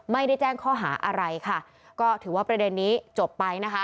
ไม่ได้แจ้งข้อหาอะไรค่ะก็ถือว่าประเด็นนี้จบไปนะคะ